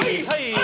はい！